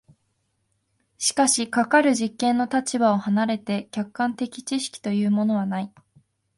しかしかかる実験の立場を離れて客観的知識というものはない。